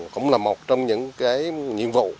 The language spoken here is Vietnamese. cũng là một trong những nhiệm vụ